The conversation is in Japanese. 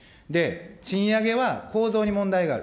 賃上げは構造に問題がある。